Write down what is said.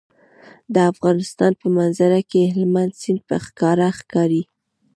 د افغانستان په منظره کې هلمند سیند په ښکاره ښکاري.